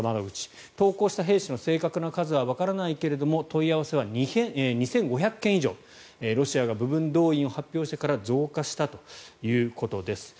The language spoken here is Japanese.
投降した兵士の正確な数はわからないけれども問い合わせは２５００件以上ロシアが部分動員を発表してから増加したということです。